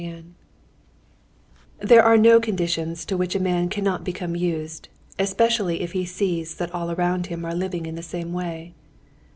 Chapter 13 There are no conditions to which a man cannot become used, especially if he sees that all around him are living in the same way.